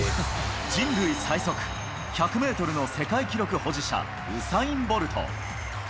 人類最速、１００メートルの世界記録保持者、ウサイン・ボルト。